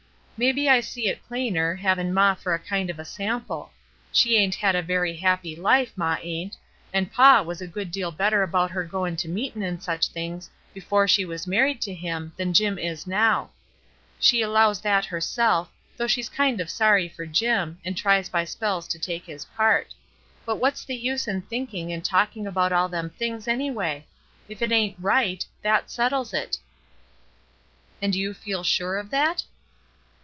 Mebbe I see it plainer, havin' maw for a kind of a sample. She ain't had a very happy life, maw ain't; and paw was a good deal better about her goin' to meetin' an' such things, b'fore she was married to him than Jim is now; she allows that herself, though she's kind of sorry for Jim, and tries by spells to take his part; but what's the use in thinking and talking about all them things anyway? If it ain't right, that settles it." "And you feel sure of that?"